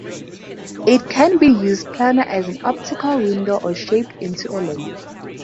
It can be used planar as an optical window or shaped into a lens.